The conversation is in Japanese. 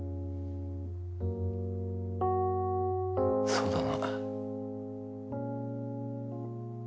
そうだな。